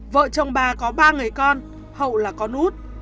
vợ chồng bà có ba người con hậu là con út